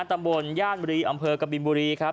ตำบลย่านบุรีอำเภอกบินบุรีครับ